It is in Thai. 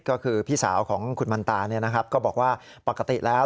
ก็คือพี่สาวของคุณมันตาเนี่ยนะครับก็บอกว่าปกติแล้ว